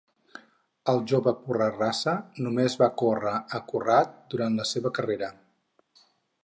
El jove pura raça només va córrer a Curragh durant la seva carrera.